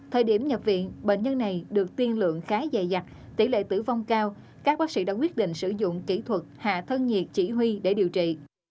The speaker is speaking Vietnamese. thời điểm nhập viện bệnh nhân này được tiên lượng khá dày dặt tỷ lệ tử vong cao các bác sĩ đã quyết định sử dụng kỹ thuật hạ thân nhiệt chỉ huy để điều trị